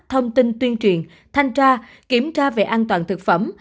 thông tin tuyên truyền thanh tra kiểm tra về an toàn thực phẩm